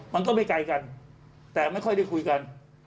มันก็ไม่ไกลกันแต่ไม่ค่อยได้คุยกัน